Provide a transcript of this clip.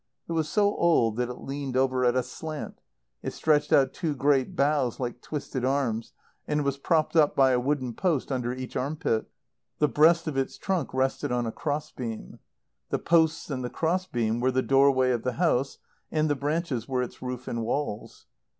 It was so old that it leaned over at a slant; it stretched out two great boughs like twisted arms, and was propped up by a wooden post under each armpit. The breast of its trunk rested on a cross beam. The posts and the cross beam were the doorway of the house, and the branches were its roof and walls.